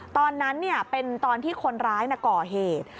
ตอนนั้นเป็นตอนที่คนร้ายก่อเหตุ